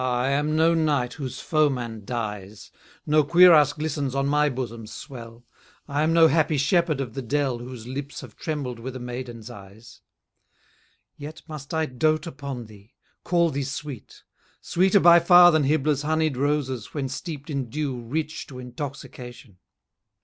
I am no knight whose foeman dies; No cuirass glistens on my bosom's swell; I am no happy shepherd of the dell Whose lips have trembled with a maiden's eyes; Yet must I dote upon thee, call thee sweet. Sweeter by far than Hybla's honied roses When steep'd in dew rich to intoxication.